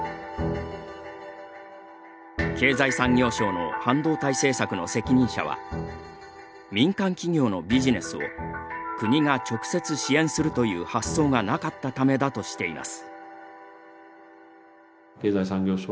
経済産業省の半導体政策の責任者は民間企業のビジネスを国が直接支援するという発想がなかったためだとしています。